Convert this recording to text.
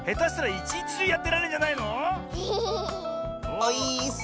オイーッス！